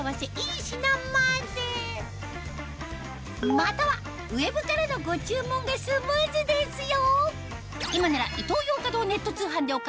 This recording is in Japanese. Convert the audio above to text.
またはウェブからのご注文がスムーズですよ